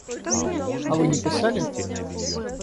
А Вы не писали?